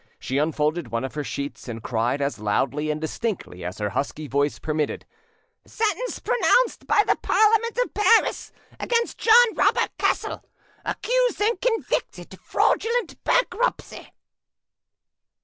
She unfolded one of her sheets, and cried as loudly and distinctly as her husky voice permitted— "Sentence pronounced by the Parliament of Paris against John Robert Cassel, accused and convicted of Fraudulent Bankruptcy!"